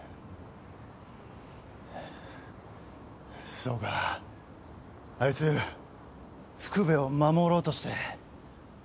そうかアイツ幅部を守ろうとして。